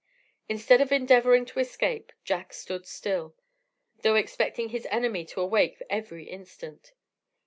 Instead of endeavouring to escape, Jack stood still, though expecting his enemy to awake every instant.